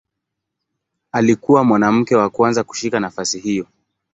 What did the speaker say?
Alikuwa mwanamke wa kwanza kushika nafasi hiyo.